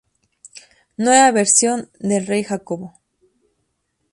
Nueva versión del rey Jacobo